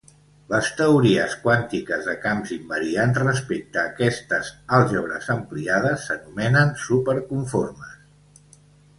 Les teories quàntiques de camps invariants respecte a aquestes àlgebres ampliades s'anomenen superconformes.